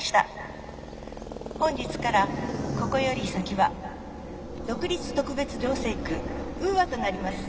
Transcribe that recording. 本日からここより先は独立特別行政区ウーアとなります。